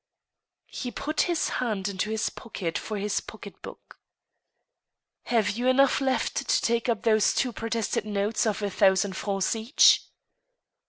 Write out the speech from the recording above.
He put his hand into his pocket for his pocket*book. " Have you enough left to take up those two protested notes, of a thousand francs each?